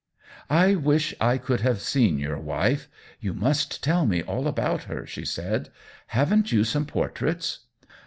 " I wish I could have seen your wife — you must tell me all about her," she said. " Haven't you some portraits